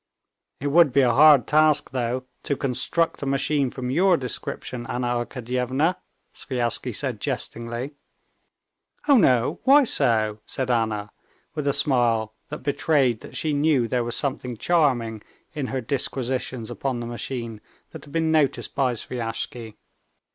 "It would be a hard task, though, to construct a machine from your description, Anna Arkadyevna," Sviazhsky said jestingly. "Oh, no, why so?" said Anna with a smile that betrayed that she knew there was something charming in her disquisitions upon the machine that had been noticed by Sviazhsky.